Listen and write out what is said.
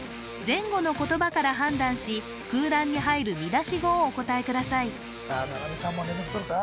前後の言葉から判断し空欄に入る見出し語をお答えくださいさあ七海３問連続とるか？